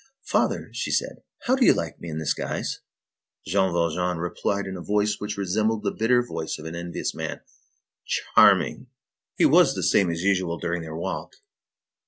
"Father," she said, "how do you like me in this guise?" Jean Valjean replied in a voice which resembled the bitter voice of an envious man: "Charming!" He was the same as usual during their walk.